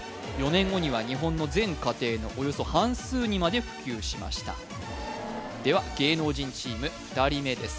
４年後には日本の全家庭のおよそ半数にまで普及しましたでは芸能人チーム２人目です